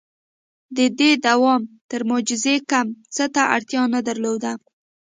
• د دې دوام تر معجزې کم څه ته اړتیا نه درلوده.